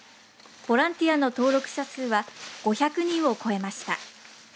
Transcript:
ボランティアの登録者数は５００人を超えました。